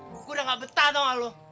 buku udah gak betah tau gak lu